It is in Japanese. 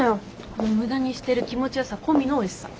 この無駄にしてる気持ち良さ込みのおいしさ。